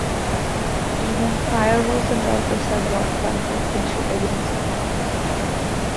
Even firewalls and routers have log files that can show evidence of hacking.